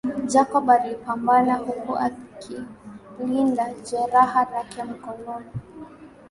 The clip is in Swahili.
Jacob alipambana huku akilinda jeraha lake mkononi